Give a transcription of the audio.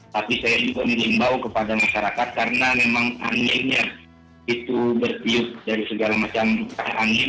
tapi saya juga mengimbau kepada masyarakat karena memang anginnya itu berkiluk dari segala macam angin